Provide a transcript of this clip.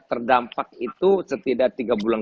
terdampak itu setidaknya tiga bulan